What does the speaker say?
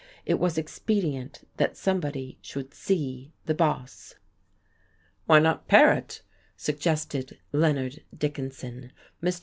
It was expedient that somebody should "see" the boss. "Why not Paret?" suggested Leonard Dickinson. Mr.